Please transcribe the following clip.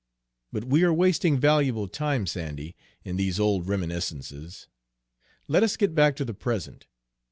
But we are wasting valuable time, Sandy, in these old reminiscences. Let us get back to the present.